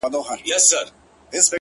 ځكه مي دعا، دعا، دعا په غېږ كي ايښې ده،